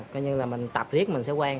coi như là mình tập riết mình sẽ quen